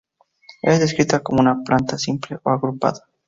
Es descrita como una planta simple o agrupada.